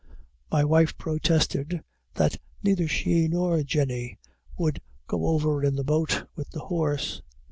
My wife protested that neither she nor Jenny would go over in the boat with the horse.